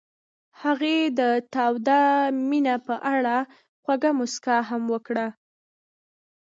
هغې د تاوده مینه په اړه خوږه موسکا هم وکړه.